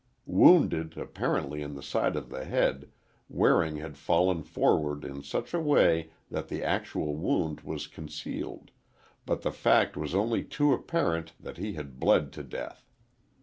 Wounded, apparently in the side of the head, Waring had fallen forward in such a way that the actual wound was concealed, but the fact was only too apparent that he had bled to death.